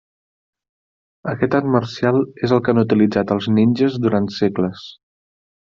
Aquest art marcial és el que han utilitzat els ninges durant segles.